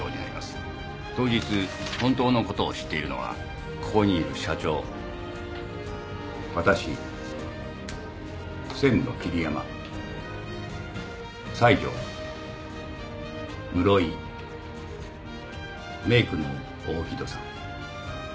当日本当のことを知っているのはここにいる社長私専務の桐山西條室井メークの大木戸さん。